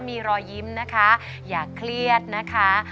มีรอยยิ้มนะคะอย่าเครียดนะคะ